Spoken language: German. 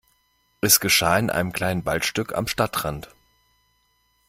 Es geschah in einem kleinen Waldstück am Stadtrand.